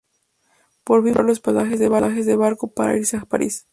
Por fin pueden comprar los pasajes de barco para irse a París.